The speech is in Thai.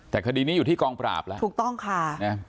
แต่คดีนี้อยู่ที่กองปราบแล้วถูกต้องค่ะนะ